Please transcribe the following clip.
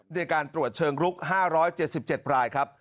ในการตรวจเชิงลุก๕๗๗รายครับ